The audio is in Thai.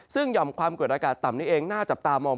ซึ่งหย่อมความกดอากาศต่ำนี้เองน่าจับตามอง